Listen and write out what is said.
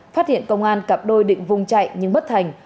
phát hiện công an cặp đôi định vùng chạy nhưng bất thành